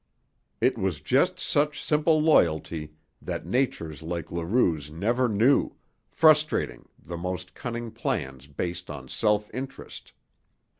It was just such simple loyalty that natures like Leroux's never knew, frustrating the most cunning plans based on self interest.